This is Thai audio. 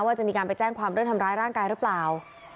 ว่าจะมีการไปแจ้งความเรื่องทำร้ายร่างกายหรือเปล่า